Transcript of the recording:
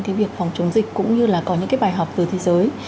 thì việc phòng chống dịch cũng như là có những cái bài họp từ thế giới